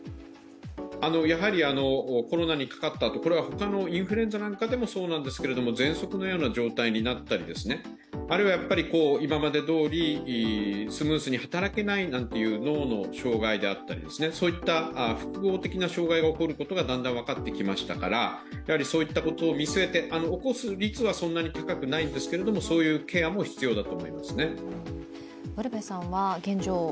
やはりコロナにかかったあと他のインフルエンザなんかでもそうなんですけどぜんそくのような状態になったり、あるいは今までどおりスムーズに働けないなどといった脳の障害などそういった複合的な障害が起こることがだんだん分かってきましたからそういったことを見据えて、起こす率はそんなに高くないんですけれども、そういうケアも必要だと思いますね。